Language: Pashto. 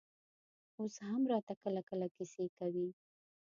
اوس هم راته کله کله کيسې کوي.